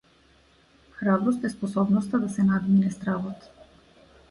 Храброст е способноста да се надмине стравот.